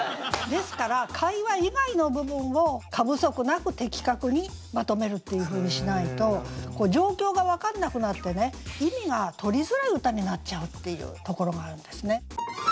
ですから会話以外の部分を過不足なく的確にまとめるっていうふうにしないと状況が分かんなくなってね意味がとりづらい歌になっちゃうっていうところがあるんですね。